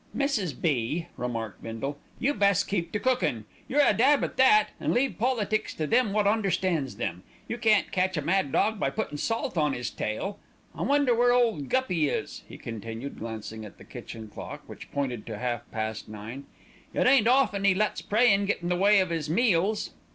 "Mrs. B.," remarked Bindle, "you best keep to cookin', you're a dab at that, and leave politics to them wot understands 'em. You can't catch a mad dog by puttin' salt on 'is tail. I wonder where ole Guppy is," he continued, glancing at the kitchen clock, which pointed to half past nine. "It ain't often 'e lets praying get in the way of 'is meals."